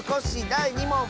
だい２もん！